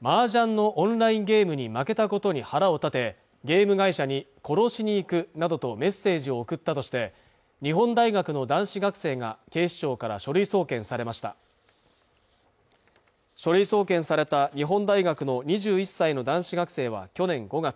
麻雀のオンラインゲームに負けたことに腹を立てゲーム会社に殺しに行くなどとメッセージを送ったとして日本大学の男子学生が警視庁から書類送検されました書類送検された日本大学の２１歳の男子学生は去年５月